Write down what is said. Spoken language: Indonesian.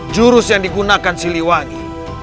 jurus yang digunakan siliwangi